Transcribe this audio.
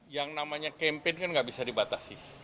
yang namanya campaign kan nggak bisa dibatasi